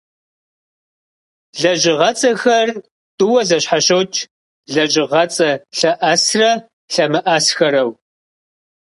Лэжьыгъэцӏэхэр тӏууэ зэщхьэщокӏ - лэжьыгъэцӏэ лъэӏэсрэ лъэмыӏэсхэрэу.